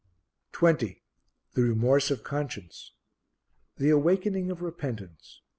20. The Remorse of Conscience. The awakening of Repentance.